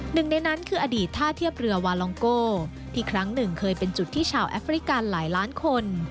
หนึ่งในนั้นคืออดีตท่าเทียบเรือวาลองโกที่ครั้งหนึ่งเคยเป็นจุดที่ชาวแอฟริกันหลายล้านคน